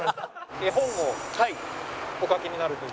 絵本をお描きになるという。